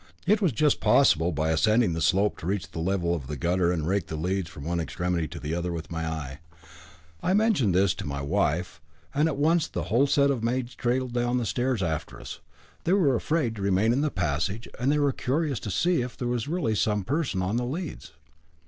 It was just possible by ascending the slope to reach the level of the gutter and rake the leads from one extremity to the other with my eye. I mentioned this to my wife, and at once the whole set of maids trailed down the stairs after us. They were afraid to remain in the passage, and they were curious to see if there was really some person on the leads.